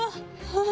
ああ。